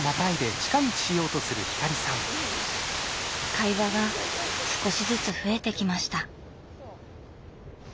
会話が少しずつ増えてきました。